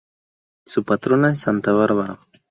Su patrona es Santa Bárbara.